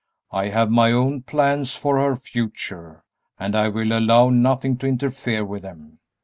I have my own plans for her future, and I will allow nothing to interfere with them.